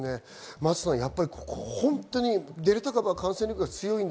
真麻さん、本当にデルタ株は感染力が強い。